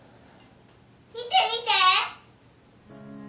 見て見て！